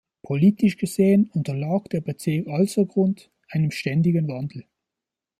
Politisch gesehen unterlag der Bezirk Alsergrund einem ständigen Wandel.